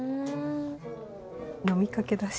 飲みかけだし。